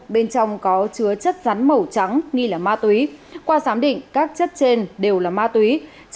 bên trong có chứa chất rắn màu trắng nghi là ma túy qua giám định các chất trên đều là ma túy